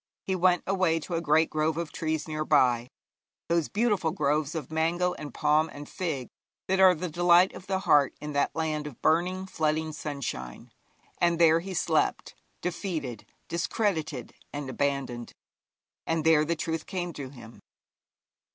He went away to a great grove of trees near by those beautiful groves of mango and palm and fig that are the delight of the heart in that land of burning, flooding sunshine and there he slept, defeated, discredited, and abandoned; and there the truth came to him.